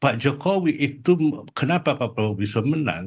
pak jokowi itu kenapa pak prabowo bisa menang